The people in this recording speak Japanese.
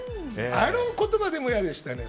あの言葉、でも嫌でしたね。